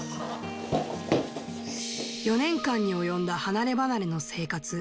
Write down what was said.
４年間に及んだ離れ離れの生活。